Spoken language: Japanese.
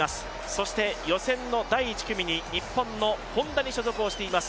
そして予選の第１組に日本のＨｏｎｄａに所属しています